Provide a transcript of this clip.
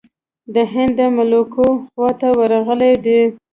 د هند د ملوکو خواته ورغلی دی.